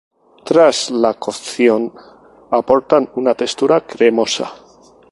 Tras la cocción aportan una textura cremosa.